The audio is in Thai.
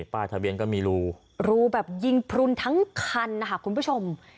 ป้ายทะเบียนก็มีรูรูแบบยิงพลุนทั้งคันนะคะคุณผู้ชม